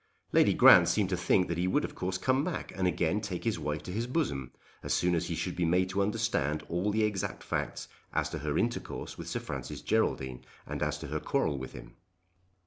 Lady Grant seemed to think that he would of course come back and again take his wife to his bosom, as soon as he should be made to understand all the exact facts as to her intercourse with Sir Francis Geraldine and as to her quarrel with him.